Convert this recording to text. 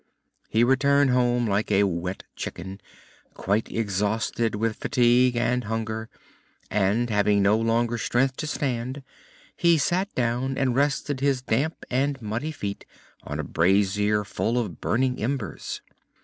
He returned home like a wet chicken, quite exhausted with fatigue and hunger; and, having no longer strength to stand, he sat down and rested his damp and muddy feet on a brazier full of burning embers.